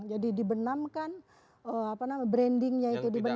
jadi dibenamkan brandingnya itu dibenamkan